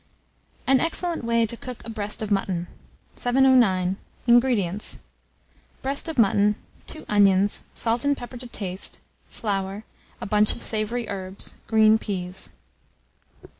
AN EXCELLENT WAY TO COOK A BREAST OF MUTTON. 709. INGREDIENTS. Breast of mutton, 2 onions, salt and pepper to taste, flour, a bunch of savoury herbs, green peas.